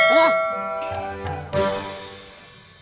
presenting benda saw